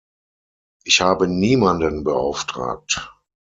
Ich habe niemanden beauftragt.